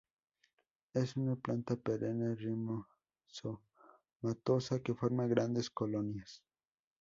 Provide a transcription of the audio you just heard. Es una planta perenne rizomatosa que forma grandes colonias.